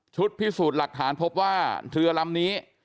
พิสูจน์หลักฐานพบว่าเรือลำนี้